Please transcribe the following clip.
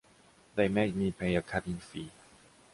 They made me pay a cabin fee!